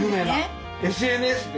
ＳＮＳで！